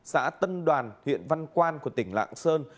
xã tân đoàn huyện văn quan của tỉnh lạng sơn